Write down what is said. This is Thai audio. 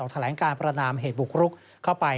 แถลงการประนามเหตุบุกรุกเข้าไป